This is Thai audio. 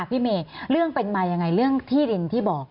พี่เมย์เรื่องเป็นมายังไงเรื่องที่ดินที่บอก